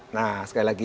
nah sekali lagi